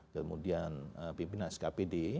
kemudian pimpinan skpd